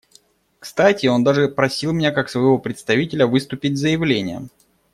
Кстати, он даже просил меня как своего представителя выступить с заявлением.